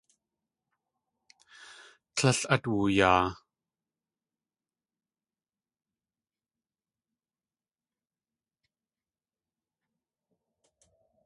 Tlél at wuyaa.